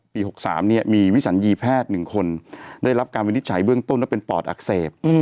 ๖๓มีวิสัญญีแพทย์๑คนได้รับการวินิจฉัยเบื้องต้นว่าเป็นปอดอักเสบ